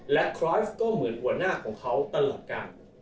และครอสก็เหมือนหัวหน้าของเขาตลกกัน